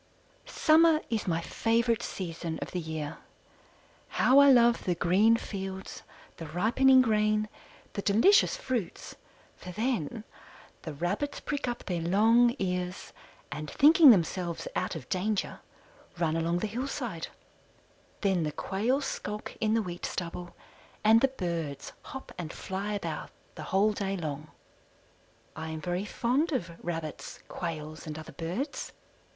Summer is my favorite season of the year. How I love the green fields, the ripening grain, the delicious fruits, for then the Rabbits prick up their long ears, and thinking themselves out of danger, run along the hillside; then the quails skulk in the wheat stubble, and the birds hop and fly about the whole day long. I am very fond of Rabbits, Quails, and other Birds.